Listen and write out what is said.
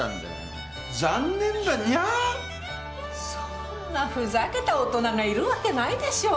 そんなふざけた大人がいるわけないでしょう！